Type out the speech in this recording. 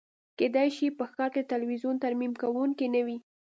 کیدای شي په ښار کې د تلویزیون ترمیم کونکی نه وي